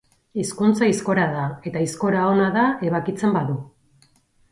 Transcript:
Hizkuntza aizkora da, eta aizkora ona da ebakitzen badu.